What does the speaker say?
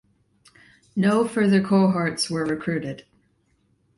No further cohorts were recruited.